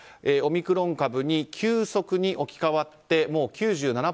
オミクロン株に急速に置き換わってもう９７％。